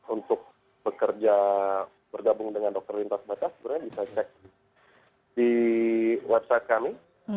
untuk bekerja bergabung dengan dokter lintas batas sebenarnya bisa cek di website kami